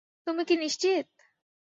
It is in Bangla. তুমি কি নিশ্চিত?